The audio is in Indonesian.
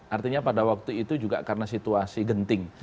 artinya pada waktu itu juga karena situasi genting